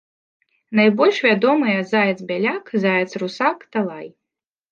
Найбольш вядомыя заяц-бяляк, заяц-русак, талай.